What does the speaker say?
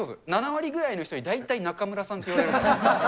７割ぐらいの人に大体、中村さんって言われるから。